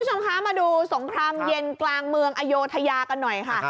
คุณผู้ชมคะมาดูสงครามเย็นกลางเมืองอโยธยากันหน่อยค่ะ